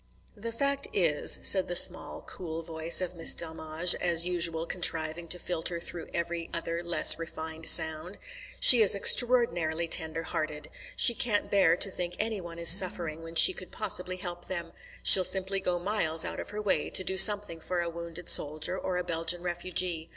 "The fact is," said the small, cool voice of Miss Delmege, as usual contriving to filter through every other less refined sound, "she is extraordinarily tender hearted. She can't bear to think any one is suffering when she could possibly help them; she'll simply go miles out of her way to do something for a wounded soldier or a Belgian refugee.